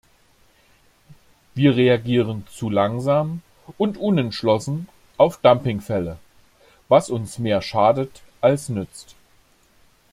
Wir reagieren zu langsam und unentschlossen auf Dumpingfälle, was uns mehr schadet als nützt.